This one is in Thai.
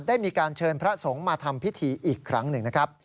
ได้มีการเชิญพระสงฆ์มาทำพิธีอีกครั้งหนึ่งนะครับ